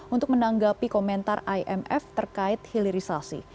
untuk menanggapi komentar imf terkait hilirisasi